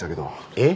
えっ？